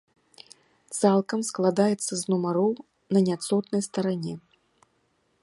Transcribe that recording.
Цалкам складаецца з нумароў на няцотнай старане.